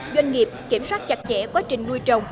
doanh nghiệp kiểm soát chặt chẽ quá trình nuôi trồng